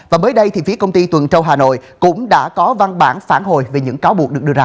và mới đây thì phía công ty tuần châu hà nội cũng đã có văn bản phản hồi về những cáo buộc được đưa ra